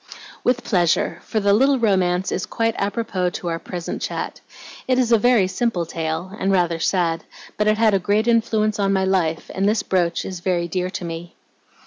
"With pleasure, for the little romance is quite apropos to our present chat. It is a very simple tale, and rather sad, but it had a great influence on my life, and this brooch is very dear to me."